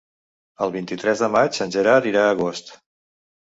El vint-i-tres de maig en Gerard irà a Agost.